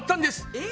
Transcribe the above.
えっ？